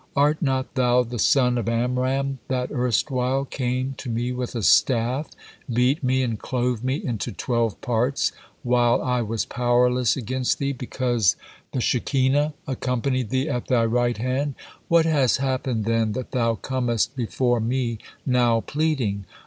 Art not thou the son of Amram that erstwhile came to me with a staff, beat me, and clove me into twelve parts, while I was powerless against thee, because the Shekinah accompanied thee at thy right hand? What has happened, then, that thou comest before me now pleading?"